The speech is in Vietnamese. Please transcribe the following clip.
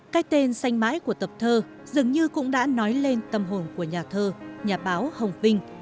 cái tên xanh mãi của tập thơ dường như cũng đã nói lên tâm hồn của nhà thơ nhà báo hồng vinh